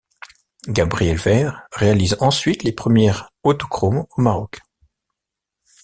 Gabriel Veyre réalise ensuite les premiers autochromes au Maroc.